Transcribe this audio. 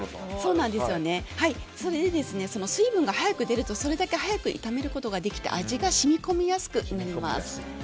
それで、水分が早く出るとそれだけ早く炒めることができて味が染み込みやすくなります。